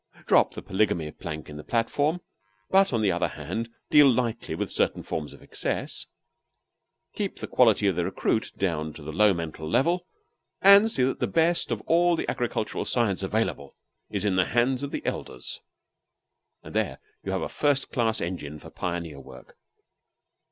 Drop the polygamy plank in the platform, but on the other hand deal lightly with certain forms of excess; keep the quality of the recruit down to the low mental level, and see that the best of all the agricultural science available is in the hands of the elders, and there you have a first class engine for pioneer work.